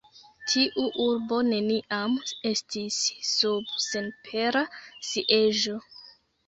Tiu urbo neniam estis sub senpera sieĝo.